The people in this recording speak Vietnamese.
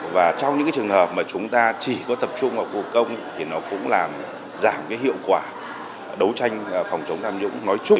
và trong những trường hợp mà chúng ta chỉ có tập trung vào khu vực công thì nó cũng làm giảm hiệu quả đấu tranh phòng chống tham nhũng nói chung